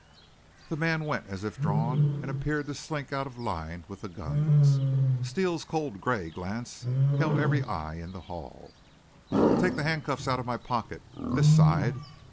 The man went as if drawn and appeared to slink out of line with the guns. Steele's cold gray glance held every eye in the hall. "Take the handcuffs out of my pocket. This side.